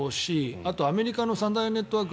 あとアメリカの三大ネットワーク